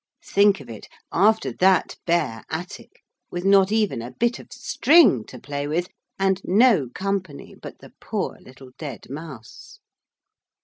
Think of it, after that bare attic, with not even a bit of string to play with, and no company but the poor little dead mouse!